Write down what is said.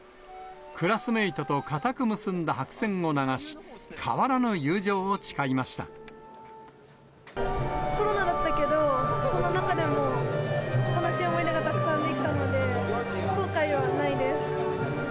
クラスメートと固く結んだ白線を流し、コロナだったけど、そんな中でも楽しい思い出がたくさんできたので、後悔はないです。